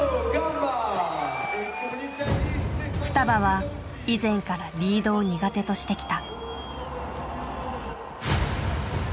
ふたばは以前から「リード」を苦手としてきた。